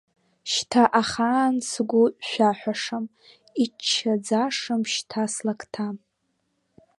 Шьҭа ахаан сгәы шәаҳәашам, иччаӡашам шьҭа слакҭа.